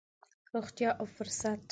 روغتيا او فرصت.